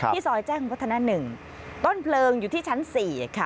ซอยแจ้งวัฒนา๑ต้นเพลิงอยู่ที่ชั้น๔ค่ะ